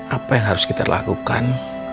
apa yang harus kita lakukan